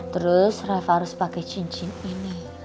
terus rev harus pakai cincin ini